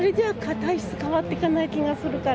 それじゃ、体質変わっていかない気がするから。